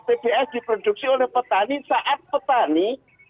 tbs diproduksi oleh petani saat petani